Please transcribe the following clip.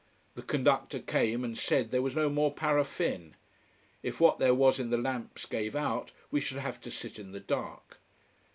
The conductor came and said that there was no more paraffin. If what there was in the lamps gave out, we should have to sit in the dark.